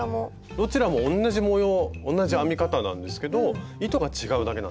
どちらも同じ模様同じ編み方なんですけど糸が違うだけなんですよ。